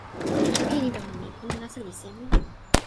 o toki e ni tawa mi: pona nasa li seme?